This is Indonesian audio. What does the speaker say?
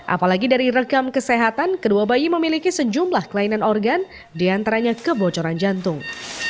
apalagi dari rekam kesehatan kedua bayi memiliki sejumlah kelainan organ diantaranya kebocoran jantung